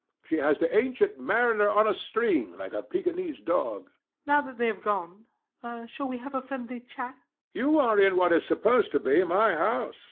She has the Ancient Mariner on a string like a Pekinese dog. RANDALL. Now that they have gone, shall we have a friendly chat? HECTOR. You are in what is supposed to be my house.